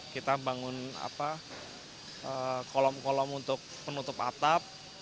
kita bangun kolom kolom untuk penutup atap